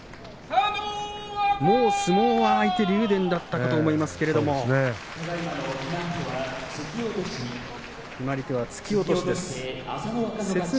相撲は竜電だったように思いますけれども決まり手は、突き落としです。